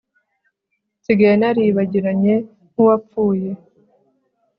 nsigaye naribagiranye nk'uwapfuye